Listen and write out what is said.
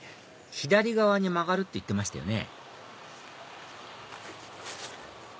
左側に曲がるって言ってましたよね